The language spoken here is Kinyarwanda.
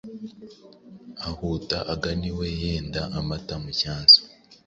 ahuta agana iwe, yenda amata mu cyansi